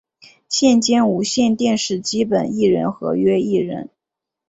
现兼无线电视基本艺人合约艺人。